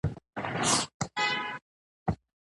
سلیمان غر له اعتقاداتو سره تړاو لري.